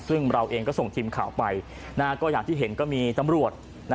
ซึ่งเราเองก็ส่งทีมข่าวไปก็อย่างที่เห็นก็มีตำรวจ